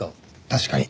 確かに。